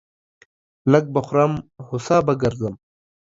لږ به خورم ، هو سا به گرځم.